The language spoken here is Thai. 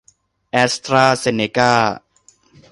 แอสตร้าเซนเนก้า